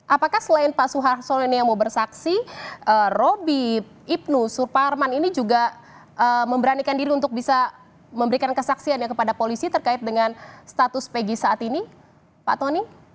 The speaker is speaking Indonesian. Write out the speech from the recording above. apakah selain pak suharto ini yang mau bersaksi roby ibnu suparman ini juga memberanikan diri untuk bisa memberikan kesaksiannya kepada polisi terkait dengan status pg saat ini pak tony